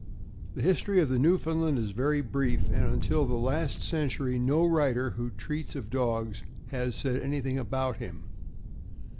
>HE history of the Newfoundland is very brief, and until the last century no writer who treats of dogs has said anything about him.